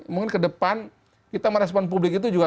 mungkin ke depan kita merespon publik itu juga